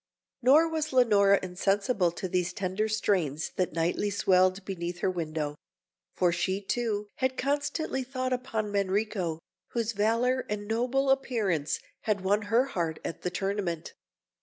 Nor was Leonora insensible to these tender strains that nightly swelled beneath her window; for she, too, had constantly thought upon Manrico, whose valour and noble appearance had won her heart at the Tournament.